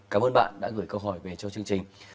cảm ơn bạn đã gửi câu hỏi về cho chương trình